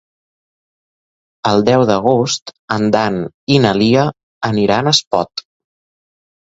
El deu d'agost en Dan i na Lia aniran a Espot.